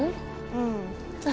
うん。